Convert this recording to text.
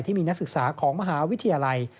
ที่มีนักศึกษาของมหาวิทยาลัย